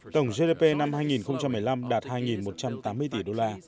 tổng gdp năm hai nghìn một mươi năm đạt hai một trăm tám mươi tỷ đô la